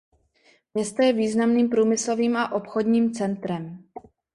Město je významným průmyslovým a obchodním centrem.